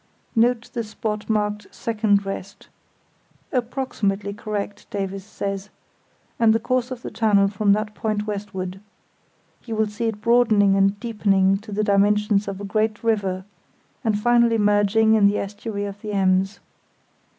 Note the spot marked "second rest" (approximately correct, Davies says) and the course of the channel from that point westward. You will see it broadening and deepening to the dimensions of a great river, and finally merging in the estuary of the Ems.